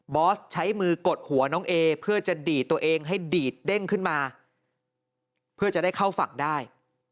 อสใช้มือกดหัวน้องเอเพื่อจะดีดตัวเองให้ดีดเด้งขึ้นมาเพื่อจะได้เข้าฝั่งได้